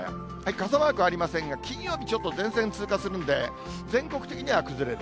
傘マークありませんが、金曜日ちょっと前線通過するんで、全国的には崩れる。